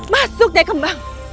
masuk nyai kembang